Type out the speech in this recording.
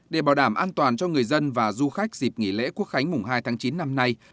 để bảo đảm an toàn cho người dân và du khách dịp nghỉ lễ quốc khánh mùng hai tháng chín năm nay